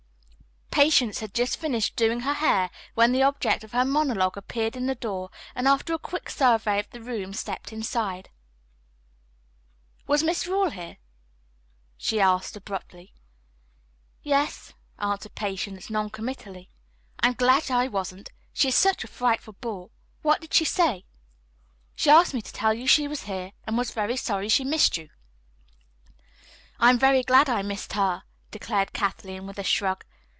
Patience had just finished doing her hair when the object of her monologue appeared in the door and after a quick survey of the room stepped inside. "Was Miss Rawle here?" she asked abruptly. "Yes," answered Patience, noncommittally. "I'm glad I wasn't. She is such a frightful bore. What did she say?" "She asked me to tell you she was here and was very sorry she missed you." "I am very glad I missed her," declared Kathleen, with a shrug.